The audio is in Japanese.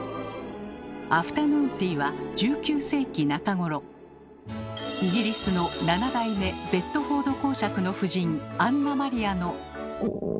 アフタヌーンティーは１９世紀中頃イギリスの７代目ベッドフォード公爵の夫人アンナ・マリアの。